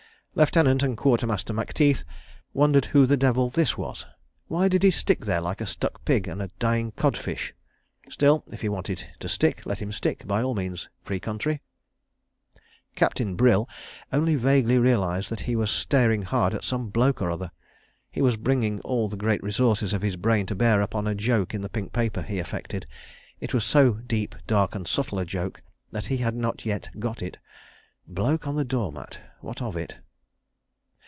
... Lieutenant and Quartermaster Macteith wondered who the devil this was. Why did he stick there like a stuck pig and a dying cod fish? Still—if he wanted to stick, let him stick, by all means. Free country. ... Captain Brylle only vaguely realised that he was staring hard at some bloke or other—he was bringing all the great resources of his brain to bear upon a joke in the pink paper he affected. It was so deep, dark and subtle a joke that he had not yet "got" it. Bloke on the door mat. What of it?